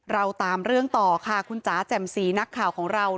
เราตามเรื่องต่อค่ะคุณจ๋าแจ่มสีนักข่าวของเรา